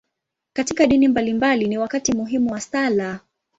Katika dini mbalimbali, ni wakati muhimu wa sala.